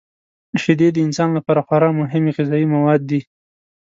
شیدې د انسان لپاره خورا مهمې غذايي مواد دي.